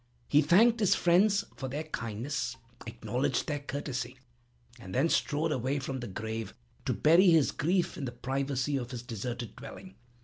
He thanked his friends for their kindness, acknowledged their courtesy, and then strode away from the grave to bury his grief in the privacy of his deserted dwelling.